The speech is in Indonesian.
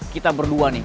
kita berdua nih